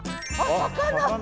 魚！